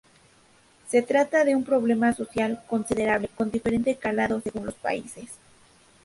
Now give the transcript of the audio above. Se trata de un problema social considerable, con diferente calado según los países.